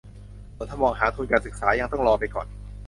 ส่วนถ้ามองหาทุนการศึกษายังต้องรอไปก่อน